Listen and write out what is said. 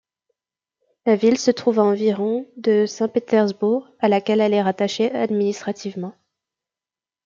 La ville se trouve à environ de Saint-Pétersbourg, à laquelle elle est rattachée administrativement.